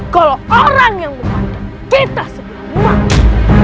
kalau orang yang memandang kita sudah mati